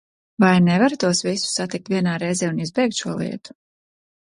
Vai nevaru tos visus satikt vienā reizē un izbeigt šo lietu?